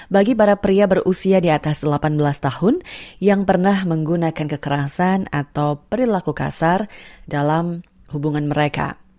bagi para pria berusia di atas delapan belas tahun yang pernah menggunakan kekerasan atau perilaku kasar dalam hubungan mereka